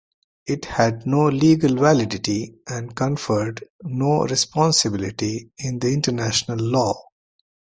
It had no legal validity and conferred no responsibility in international law.